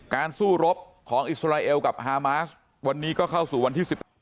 สู้รบของอิสราเอลกับฮามาสวันนี้ก็เข้าสู่วันที่๑๘